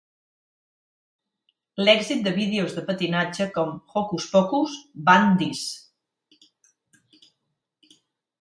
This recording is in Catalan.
L'èxit de vídeos de patinatge com Hokus Pokus, Ban This!